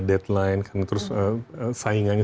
deadline karena terus saingannya